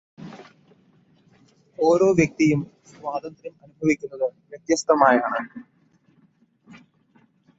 ഓരോ വ്യക്തിയും സ്വാതന്ത്ര്യം അനുഭവിക്കുന്നത് വ്യത്യസ്തമായാണ്.